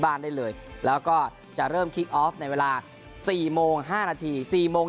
บ้านได้เลยแล้วก็จะเริ่มในเวลาสี่โมงห้านาทีสี่โมง